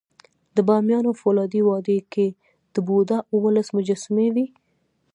د بامیانو فولادي وادي کې د بودا اوولس مجسمې وې